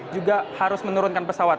juga harus menurunkan pesawat